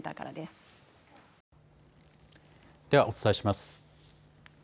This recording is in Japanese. ではお伝えします。